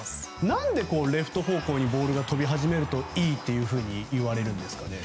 何でレフト方向にボールが飛び始めるといいというふうに言われるんですかね。